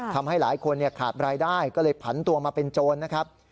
ทำให้หลายคนขาดรายได้ก็เลยผันตัวมาเป็นโจรนะครับ